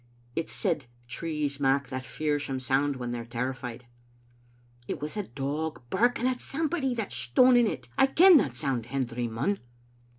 It's said, trees mak* that fearsome sound when they're terrified." " It was a dog barking at somebody that's stoning it. I ken that sound, Hendry Munn."